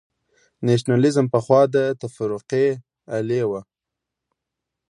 نېشنلېزم پخوا د تفرقې الې وه.